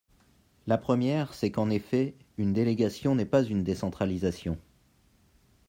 La première, c’est qu’en effet, une délégation n’est pas une décentralisation.